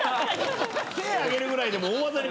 手ぇ上げるぐらいでも大技に。